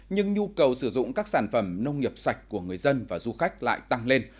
nhưng nhu cầu sử dụng các sản phẩm nông nghiệp sạch của người dân và du khách lại tăng lên